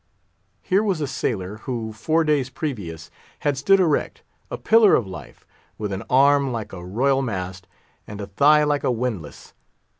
Here was a sailor, who four days previous, had stood erect—a pillar of life—with an arm like a royal mast and a thigh like a windlass.